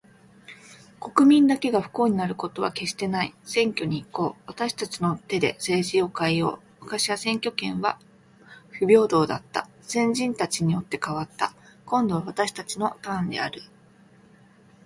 国民だけが不幸になることは決してない。選挙に行こう。私達の手で政治を変えよう。昔は選挙権は不平等だった。先人たちによって、変わった。今度は私達のターンである。